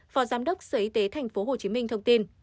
phó giám đốc sở y tế tp hcm thông tin